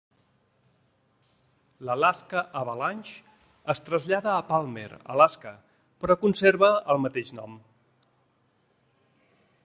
L'Alaska Avalanche es trasllada a Palmer, Alaska, però conserva el mateix nom.